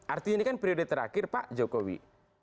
artinya ini kan periode terakhir pak jokowi